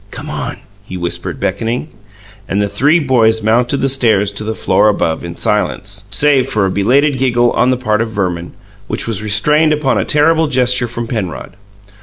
"Come on," he whispered, beckoning. And the three boys mounted the stairs to the floor above in silence save for a belated giggle on the part of Verman, which was restrained upon a terrible gesture from Penrod.